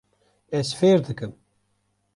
Ez fêr dikim.